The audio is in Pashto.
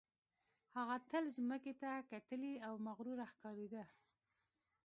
هغه تل ځمکې ته کتلې او مغروره ښکارېده